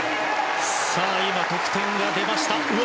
得点が出ました。